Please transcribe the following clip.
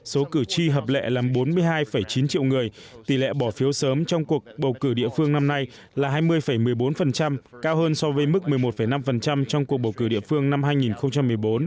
số cử tri hợp lệ là bốn mươi hai chín triệu người tỷ lệ bỏ phiếu sớm trong cuộc bầu cử địa phương năm nay là hai mươi một mươi bốn cao hơn so với mức một mươi một năm trong cuộc bầu cử địa phương năm hai nghìn một mươi bốn